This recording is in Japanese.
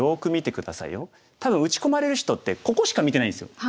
多分打ち込まれる人ってここしか見てないんですよ。